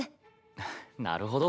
あなるほど。